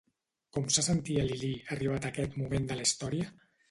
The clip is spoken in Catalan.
Com se sentia Lilí, arribat aquest moment de la història?